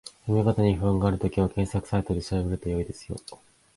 読み方に不安があるときは、検索サイトで調べると良いですよ